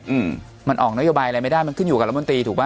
อืมมันออกนโยบายอะไรไม่ได้มันขึ้นอยู่กับรัฐมนตรีถูกป่